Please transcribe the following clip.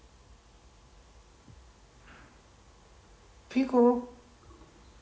ピーコ。